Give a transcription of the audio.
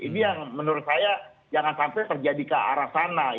ini yang menurut saya jangan sampai terjadi ke arah sana